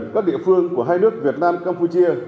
các địa phương của hai nước việt nam campuchia